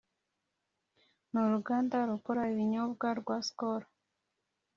n’uruganda rukora ibinyobwa rwa Skol